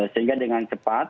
sehingga dengan cepat